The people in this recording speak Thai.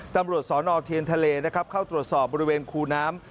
ตำรวจสอนอเทียนทะเลนะครับเข้าตรวจสอบบริเวณคูน้ำ